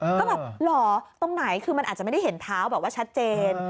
ก็แบบเหรอตรงไหนคือมันอาจจะไม่ได้เห็นเท้าแบบว่าชัดเจน